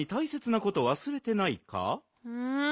うん？